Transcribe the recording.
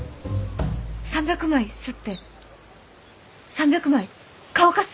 ３００枚刷って３００枚乾かす？